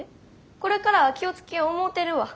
これからは気を付けよう思うてるわ。